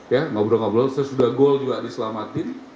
ya ngobrol ngobrol sesudah gol juga diselamatin